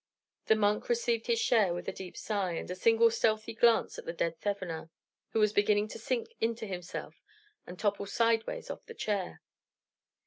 The monk received his share with a deep sigh, and a single stealthy glance at the dead Thevenin, who was beginning to sink into himself and topple sideways off the chair.